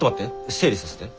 整理させて。